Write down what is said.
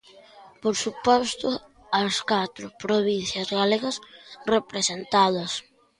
Por suposto, as catro provincias galegas representadas.